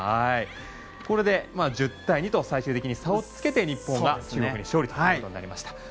これで１０対２と最終的に差をつけて日本は中国に勝利となりました。